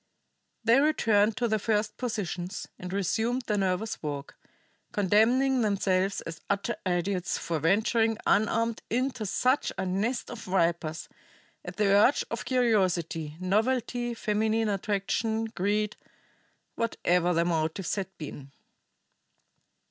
They returned to their first positions, and resumed their nervous walk, condemning themselves as utter idiots for venturing unarmed into such a nest of vipers at the urge of curiosity, novelty, feminine attraction, greed whatever their motives had been.